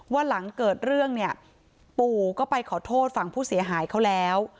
ว่าหลังเกิดเรื่องเนี่ยปู่ก็ไปขอโทษฝั่งผู้เสียหายเขาแล้ว